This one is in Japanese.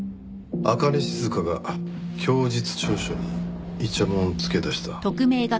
朱音静が供述調書にいちゃもんつけだした？